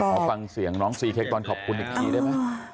ขอฟังเสียงน้องซีเค้กตอนขอบคุณอีกทีได้ไหม